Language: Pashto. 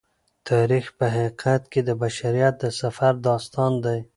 تاریخ په حقیقت کې د بشریت د سفر داستان دی.